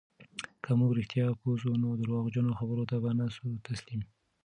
که موږ رښتیا پوه سو، نو درواغجنو خبرو ته به نه سو تسلیم.